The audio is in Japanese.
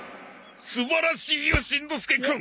素晴らしいよしんのすけくん！